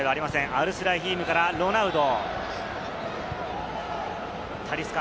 アルスライヒームからロナウド。